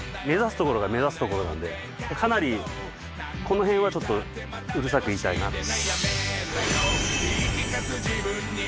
目指すところが目指すところなんでかなりこのへんはちょっとうるさく言いたいな。